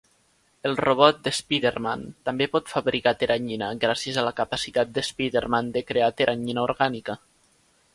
El robot d'Spider-Man també pot fabricar teranyina gràcies a la capacitat d'Spider-Man de crear teranyina orgànica.